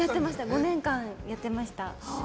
５年間やってました。